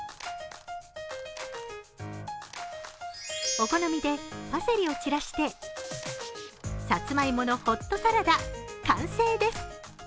お好みでパセリを散らしてさつまいものホットサラダ、完成です。